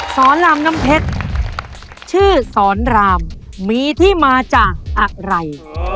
สอนรามน้ำเพชรชื่อสอนรามมีที่มาจากอะไร